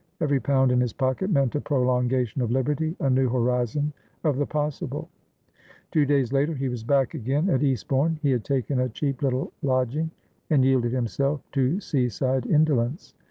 Every pound in his pocket meant a prolongation of liberty, a new horizon of the possible Two days later he was back again at Eastbourne. He had taken a cheap little lodging, and yielded himself to sea side indolence.